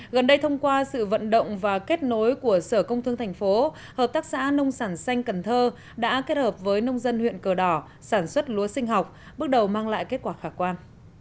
gần đây thông qua sự vận động và kết nối của sở công thương thành phố hợp tác xã nông sản xanh cần thơ đã kết hợp với nông dân huyện cờ đỏ sản xuất lúa sinh học bước đầu mang lại kết quả khả quan